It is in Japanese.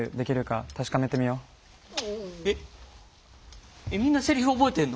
えっみんなセリフ覚えてんの？